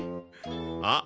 あっ。